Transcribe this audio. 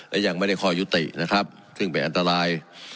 และยังไม่ได้คอยยุตินะครับซึ่งเป็นอันตราย